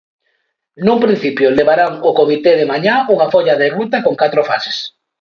Nun principio, levarán ao comité de mañá unha folla de ruta con catro fases.